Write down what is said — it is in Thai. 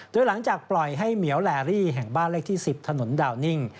โดยหลังจากปล่อยให้เหมียวแลรี่แห่งบ้านเลขที่๑๐ถนนดาวนิ่ง